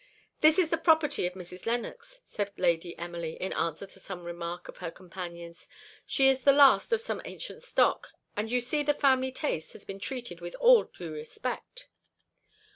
"This is the property of Mrs. Lennox," said Lady Emily, in answer to some remark of her companion's; "she is the last of some ancient stock; and you see the family taste has been treated with all due respect."